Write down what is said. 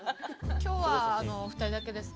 今日はお２人だけですか？